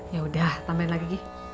yaudah tambahin lagi